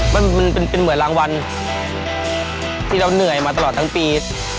มันเป็นเหมือนรางวัลที่เราเหนื่อยมาตลอดทั้งปี